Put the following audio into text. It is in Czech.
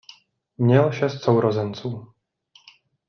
Měl šest sourozenců.